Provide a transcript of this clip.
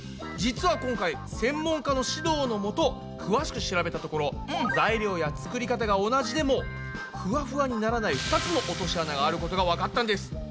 実は今回専門家の指導のもと詳しく調べたところ材料や作り方が同じでもふわふわにならない２つの落とし穴があることがわかったんです。